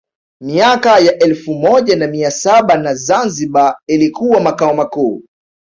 Miaka ya elfu moja na mia saba na Zanzibar ilikuwa Makao makuu